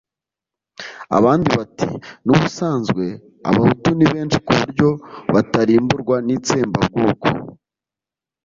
Abandi bati: «N'ubusanzwe Abahutu ni benshi ku buryo batarimburwa n'itsembabwoko».